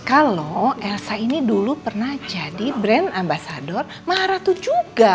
kalau elsa ini dulu pernah jadi brand ambasador marah tuh juga